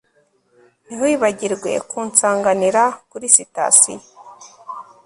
Ntiwibagirwe kunsanganira kuri sitasiyo